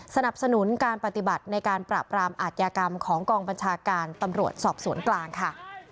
สนับสนุนการปฏิบัติในการปราบรามอาทยากรรมของกองบัญชาการตำรวจสอบสวนกลางค่ะ